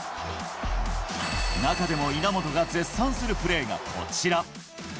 中でも稲本が絶賛するプレーがこちら。